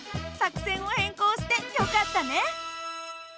作戦を変更してよかったね。